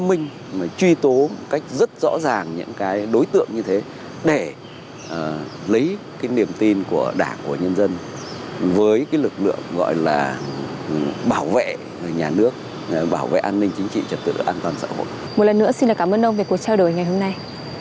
một lần nữa xin cảm ơn ông về cuộc trao đổi ngày hôm nay